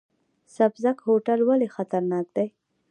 سبزک کوتل ولې خطرناک دی؟